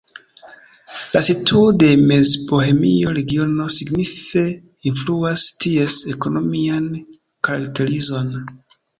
La situo de Mezbohemia Regiono signife influas ties ekonomian karakterizon.